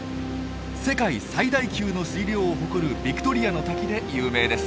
世界最大級の水量を誇るビクトリアの滝で有名です。